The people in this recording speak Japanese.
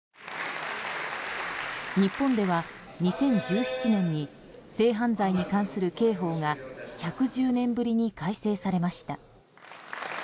日本では２０１７年に性犯罪に関する刑法が１１０年ぶりに改正されました。